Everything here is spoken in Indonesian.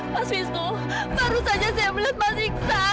mas wisnu baru saja saya melihat mas iksan mas iksan